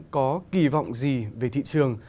có kỳ vọng gì về thị trường